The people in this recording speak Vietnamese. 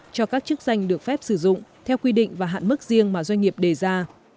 cho các chức danh được phép sử dụng theo quy định và hạn mức riêng mà doanh nghiệp đề ra